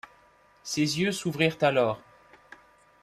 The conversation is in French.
Ses yeux s’ouvrirent alors.